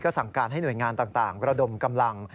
สั่งการให้หน่วยงานต่างระดมกำลัง